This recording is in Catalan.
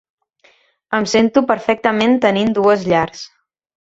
Em sento perfectament tenint dues llars.